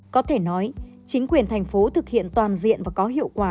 có thể nói chính quyền thành phố thực hiện toàn diện và có hiệu quả